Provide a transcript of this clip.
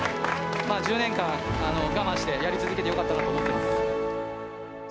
１０年間、我慢してやり続けてよかったなと思っています。